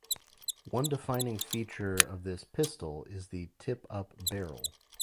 One defining feature of this pistol is the 'tip-up' barrel.